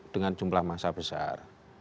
dengan jumlah massa besar